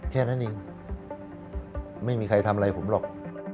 แค่นั้นเองไม่มีใครทำอะไรผมหรอก